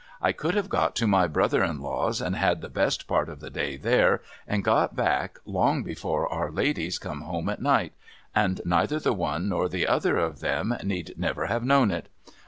I could have got to my brother in law's, and had the best part of the day there, and got back, long before our ladies come home at night, and neither the one nor the other of them need never have known it.